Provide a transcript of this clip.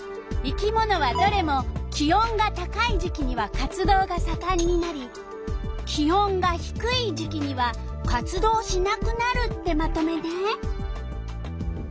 生き物はどれも気温が高い時期には活動がさかんになり気温がひくい時期には活動しなくなるってまとめね。